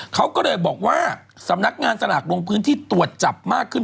เขาก็เลยบอกว่าสำนักงานสลากลงพื้นที่ตรวจจับมากขึ้น